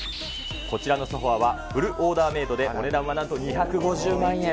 こちらのソファはフルオーダーメードでお値段はなんと２５０万円。